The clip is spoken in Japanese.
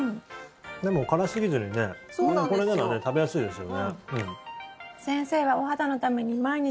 でも、辛すぎずにこれなら食べやすいですよね。